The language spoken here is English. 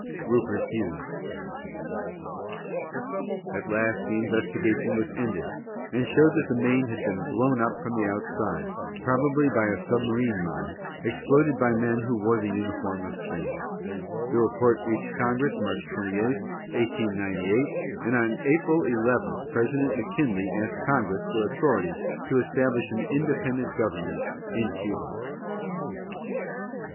RUPERT HUGHES. At last, the investigation was ended, and showed that the Maine had been blown up from the outside, probably by a submarine mine, exploded by men who wore the uniform of Spain. The report reached Congress March 28, 1898, and on April 11 President McKinley asked Congress for authority to establish an independent government in Cuba.